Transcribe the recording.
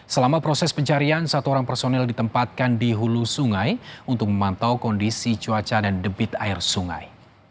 selama proses pencarian satu orang personel ditempatkan di hulu sungai untuk memantau kondisi cuaca dan debit air sungai